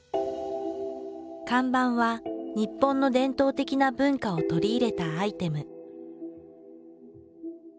看板は日本の伝統的な文化を取り入れたアイテム。